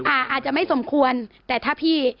อาจจะไม่สมควรแต่ถ้าพี่